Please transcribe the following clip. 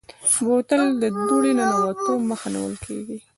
بوتل ته د دوړې ننوتو مخه نیول کېږي.